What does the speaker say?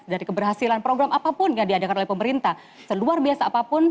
dari keberhasilan program apapun yang diadakan oleh pemerintah seluar biasa apapun